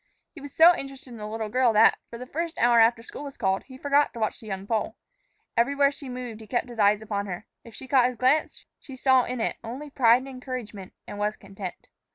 He was so interested in the little girl that, for the first hour after school was called, he forgot to watch the young Pole. Everywhere she moved, he kept his eyes upon her. If she caught his glance, she saw in it only pride and encouragement and was content.